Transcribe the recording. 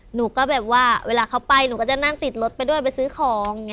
หนูก็แบบว่าเวลาเขาไปหนูก็จะนั่งติดรถไปด้วยไปซื้อของ